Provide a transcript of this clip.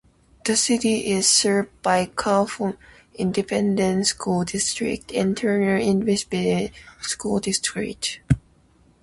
The city is served by Kaufman Independent School District and Terrell Independent School District.